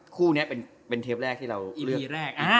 คู่นี้เป็นเทปแรกที่เราอีแรก